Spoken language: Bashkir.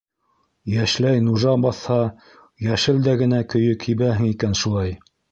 Йәшләй нужа баҫһа, йәшел дә генә көйө кибәһең икән шулай.